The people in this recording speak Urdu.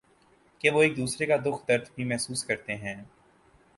کہ وہ ایک دوسرے کا دکھ درد بھی محسوس کرتے ہیں ۔